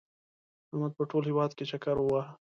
احمد په ټول هېواد کې چکر ووهه.